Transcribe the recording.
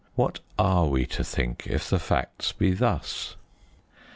What are we to think if the facts be thus?